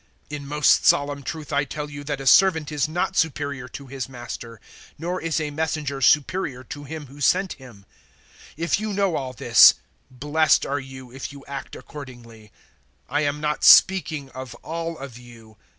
013:016 In most solemn truth I tell you that a servant is not superior to his master, nor is a messenger superior to him who sent him. 013:017 If you know all this, blessed are you if you act accordingly. 013:018 I am not speaking of all of you.